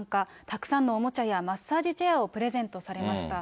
たくさんのおもちゃやマッサージチェアをプレゼントされました。